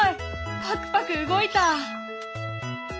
パクパク動いた！